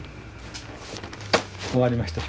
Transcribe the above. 終わりましたよ。